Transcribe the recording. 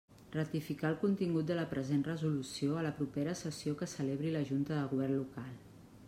Ratificar el contingut de la present resolució a la propera sessió que celebri la Junta de Govern Local.